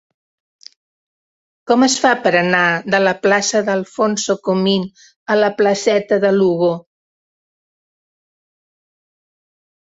Com es fa per anar de la plaça d'Alfonso Comín a la placeta de Lugo?